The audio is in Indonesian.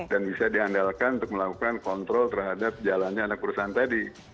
dan bisa diandalkan untuk melakukan kontrol terhadap jalannya anak perusahaan tadi